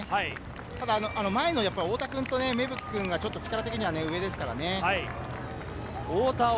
ただ前の太田君と芽吹君が力的には上ですからね。